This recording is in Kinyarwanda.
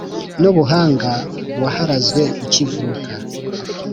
N'Ubuhanga waharazwe ukivuka